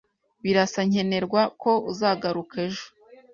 Birasa nkenerwa ko uzagaruka ejo.